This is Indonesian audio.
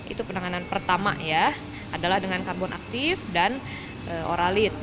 itu penanganan pertama adalah dengan karbon aktif dan oralit